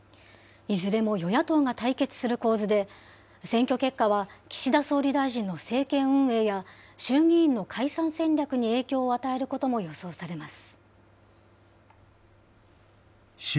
いずれも与野党が対決する構図で、選挙結果は岸田総理大臣の政権運営や、衆議院の解散戦略に影響を与えることも予想されます。